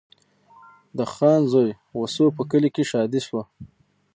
د خان زوی وسو په کلي کي ښادي سوه